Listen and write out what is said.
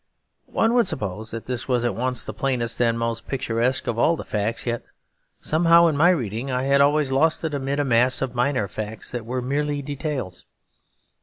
One would suppose that this was at once the plainest and most picturesque of all the facts; yet somehow, in my reading, I had always lost it amid a mass of minor facts that were merely details.